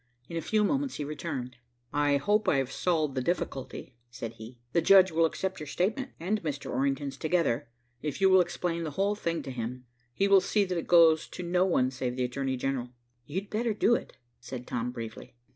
In a few moments he returned. "I hope I've solved the difficulty," said he. "The judge will accept your statement and Mr. Orrington's together. If you will explain the whole thing to him, he will see that it goes to no one save the Attorney General." "You'd better do it," said Tom briefly.